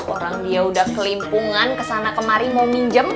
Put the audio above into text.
orang dia udah kelimpungan kesana kemari mau minjem